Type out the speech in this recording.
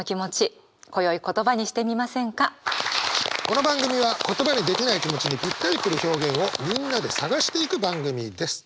この番組は言葉にできない気持ちにぴったりくる表現をみんなで探していく番組です。